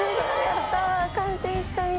やったー！